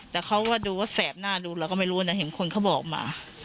แต่เขาก็ดูว่าแสบหน้าดูเราก็ไม่รู้นะเห็นคนเขาบอกมา